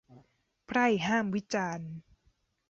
ไพร่ห้ามวิจารณ์ !